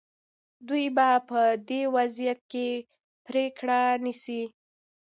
دوی به په دې وضعیت کې پرېکړه نیسي.